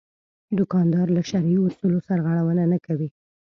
دوکاندار له شرعي اصولو سرغړونه نه کوي.